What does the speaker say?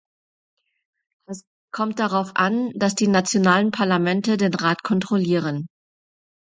Es kommt darauf an, dass die nationalen Parlamente den Rat kontrollieren.